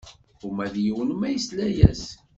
Uma d yiwen ma yesla-yas.